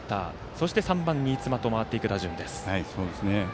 そして３番、新妻へと回っていく打順です。